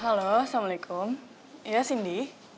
halo assalamualaikum ya cindy